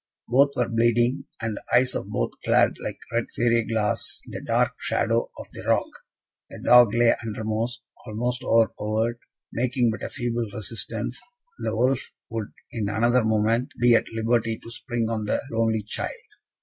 Both were bleeding, and the eyes of both glared like red fiery glass in the dark shadow of the rock. The dog lay undermost, almost overpowered, making but a feeble resistance; and the wolf would, in another moment, be at liberty to spring on the lonely child.